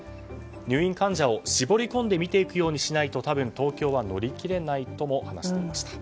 入院患者を絞り込んで診ていくようにしないと多分、東京は乗り切れないとも話していました。